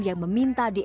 yang meminta diantaranya